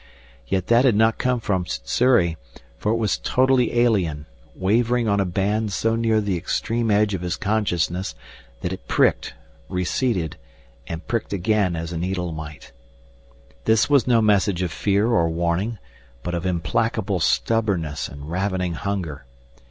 Yet that had not come from Sssuri, for it was totally alien, wavering on a band so near the extreme edge of his consciousness that it pricked, receded, and pricked again as a needle might. This was no message of fear or warning, but of implacable stubbornness and ravening hunger.